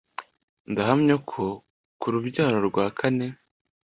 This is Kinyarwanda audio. ndahamya ko ku rubyaro rwa kane